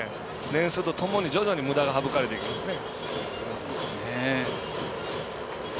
年数とともに徐々にむだが省かれていくんですね。